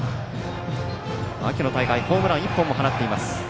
秋の大会、ホームラン１本も放っています。